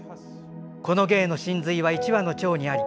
「この芸の真髄は１羽のちょうにあり」。